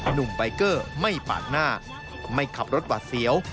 หนุ่มใบเกอร์ไม่ปาดหน้าไม่ขับรถหวาดเสียว